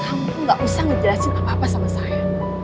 kamu gak usah ngejelasin apa apa sama saya